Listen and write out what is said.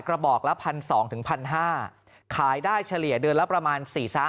กระบอกละ๑๐๐๒ถึง๑๕๐๐ค่ายได้เฉลี่ยเดือนละประมาณ๔๕